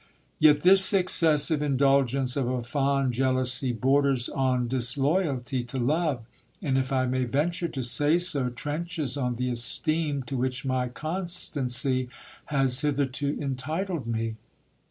Yet this excessive indulgence of a fond jealousy borders on disloyalty to love, and, if I may venture to say so, trenches on the esteem to which my constancy has hitherto entitled me.